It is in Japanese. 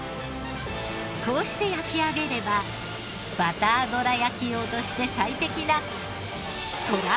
こうして焼き上げればバターどらやき用として最適ななるほど。